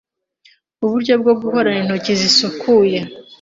uburyo bwo guhorana intoki zisukuye